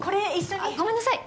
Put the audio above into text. あっごめんなさい